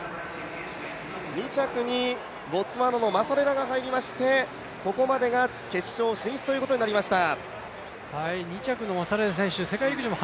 、２着にボツワナのマサレラが入りましてここまでが決勝進出ということになりました。